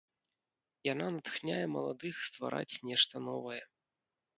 Яна натхняе маладых ствараць нешта новае.